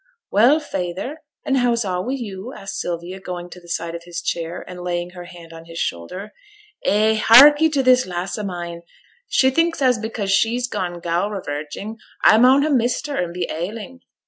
'Well, feyther, and how's a' wi' you?' asked Sylvia, going to the side of his chair, and laying her hand on his shoulder. 'Eh! harkee till this lass o' mine. She thinks as because she's gone galraverging, I maun ha' missed her and be ailing.